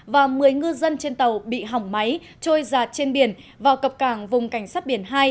và một mươi ngư dân trên tàu bị hỏng máy trôi giạt trên biển vào cập cảng vùng cảnh sát biển hai